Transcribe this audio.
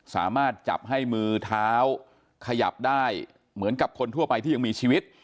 สามารถจับให้มือเท้าขยับได้เหมือนกับคนทั่วไปที่ยังมีชีวิต